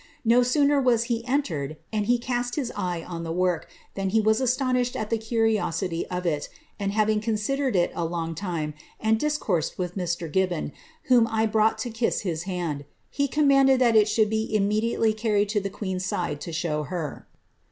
No sooner was he entered, and cast his eye « the work, than he was astonished at the curiosity of it, and having onsidered it a long time and discoursed with Mr. Gibbon, whom I iroiifirht to kiss his hand, he commanded that it should be immediately irried to the queen's side* to show her.